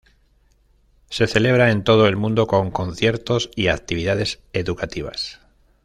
Se celebra en todo el mundo con conciertos y actividades educativas.